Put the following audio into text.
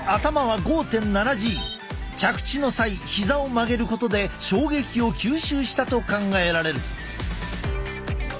着地の際ひざを曲げることで衝撃を吸収したと考えられる。